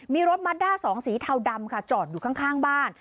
มีรถมัดด้าสองสีเทาดำค่ะจอดอยู่ข้างบ้าน